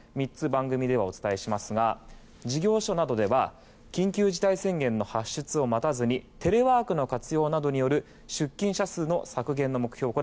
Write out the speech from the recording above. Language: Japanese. ３つ、番組ではお伝えしますが事業所などでは緊急事態宣言の発出を待たずにテレワークの活用などによる出勤者数の削減の目標